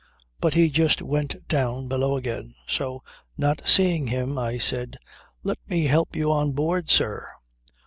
But he just went down below again. So, not seeing him, I said: "Let me help you on board, sir."